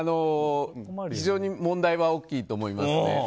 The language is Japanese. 非常に問題は大きいと思いますね。